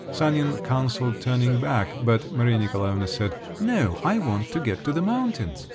Sanin counselled turning back, but Maria Nikolaevna said, "No! I want to get to the mountains!